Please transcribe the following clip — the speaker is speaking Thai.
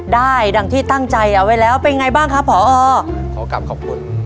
ดังที่ตั้งใจเอาไว้แล้วเป็นไงบ้างครับผอขอกลับขอบคุณ